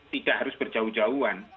tidak harus berjauh jauhan